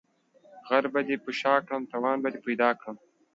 غر به دي په شاکړم ، توان به دي پيدا کړم.